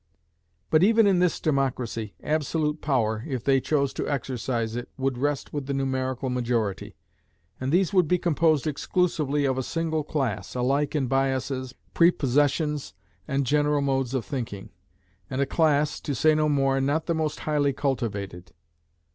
But even in this democracy, absolute power, if they chose to exercise it, would rest with the numerical majority, and these would be composed exclusively of a single class, alike in biases, prepossessions, and general modes of thinking, and a class, to say no more, not the most highly cultivated.